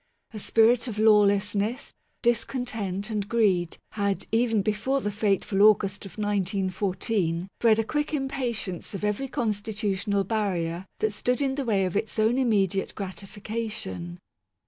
A spirit of lawlessness, discontent, and greed had (even before the fateful August of 1914) bred a quick im patience of every constitutional barrier that stood in the way of its own immediate gratification.